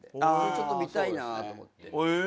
ちょっと見たいなと思って。